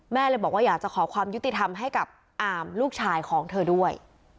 เลยบอกว่าอยากจะขอความยุติธรรมให้กับอามลูกชายของเธอด้วย